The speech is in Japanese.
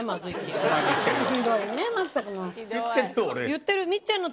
言ってる。